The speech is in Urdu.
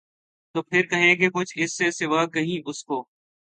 تو پھر کہیں کہ کچھ اِس سے سوا کہیں اُس کو